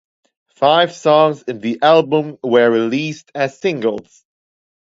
Five songs in the album were released as singles.